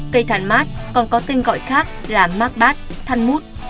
cây thàn mát còn có tên gọi khác là mát bát thăn mút